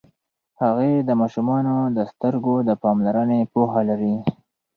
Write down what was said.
هغې د ماشومانو د سترګو د پاملرنې پوهه لري.